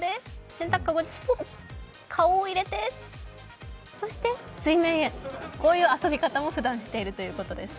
洗濯籠にスポッと顔を入れて、そして水面へ、こういう遊び方もふだんしているということです。